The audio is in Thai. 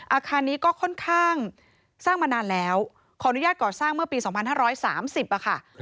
อาคารนี้ก็ค่อนข้างสร้างมานานแล้วขออนุญาตก่อสร้างเมื่อปี๒๕๓๐ค่ะ